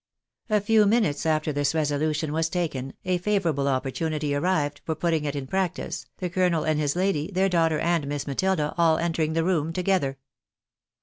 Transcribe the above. A few minutes after tins resolution was taken, a favourable opportunity arrived for putting it in practice, the colonel and his lady, their daughter and Miss Matilda, all entering the room together.